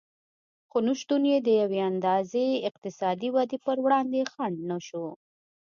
خو نشتون یې د یوې اندازې اقتصادي ودې پر وړاندې خنډ نه شو